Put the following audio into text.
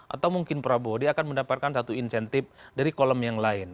atau mungkin prabowo dia akan mendapatkan satu insentif dari kolom yang lain